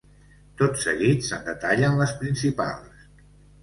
Tot seguit se'n detallen les principals.